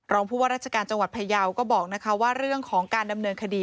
ผู้ว่าราชการจังหวัดพยาวก็บอกว่าเรื่องของการดำเนินคดี